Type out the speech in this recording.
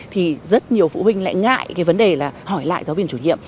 thì rất nhiều phụ huynh lại ngại cái vấn đề là hỏi lại giáo viên chủ nhiệm